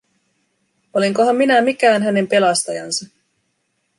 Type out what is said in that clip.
Olinkohan minä mikään hänen pelastajansa?